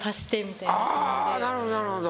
なるほどなるほど。